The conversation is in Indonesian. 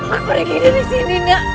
aku pergi dari sini